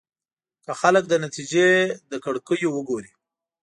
که خلک د نتيجې له کړکيو وګوري.